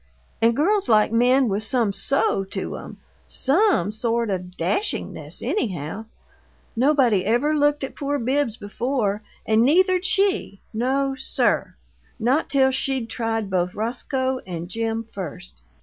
And girls like men with some GO to 'em SOME sort of dashingness, anyhow! Nobody ever looked at poor Bibbs before, and neither'd she no, SIR! not till she'd tried both Roscoe and Jim first!